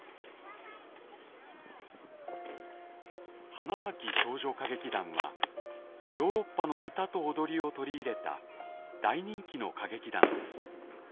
花咲少女歌劇団はヨーロッパの歌と踊りを取り入れた大人気の歌劇団です。